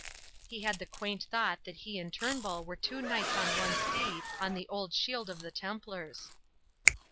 He had the quaint thought that he and Turnbull were two knights on one steed on the old shield of the Templars.